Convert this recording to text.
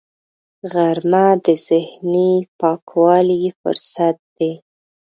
غرمه د ذهني پاکوالي فرصت دی